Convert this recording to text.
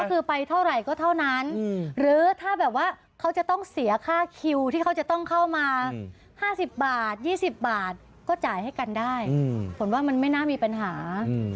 ก็คือไปเท่าไหร่ก็เท่านั้นหรือถ้าแบบว่าเขาจะต้องเสียค่าคิวที่เขาจะต้องเข้ามา๕๐บาท๒๐บาทก็จ่ายให้กันได้ผลว่ามันไม่น่ามีปัญหา